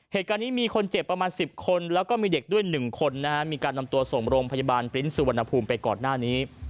เหตุการณ์นี้มีคนเจ็บประมาณ๑๐คนแล้วก็มีเด็กด้วย๑คนนะฮะมีการนำตัวส่งโรงพยาบาลปริ้นสุวรรณภูมิไปก่อนหน้านี้